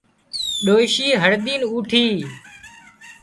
ڏوشي هڙۮينَ اوٺي